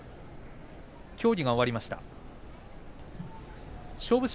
協議が終わりました。